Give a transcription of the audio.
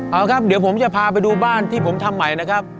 เอาครับเดี๋ยวผมจะพาไปดูบ้านที่ผมทำใหม่นะครับ